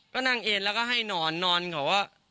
ก็นั่งเอ็นแล้วก็ให้นอนนอนเขาก็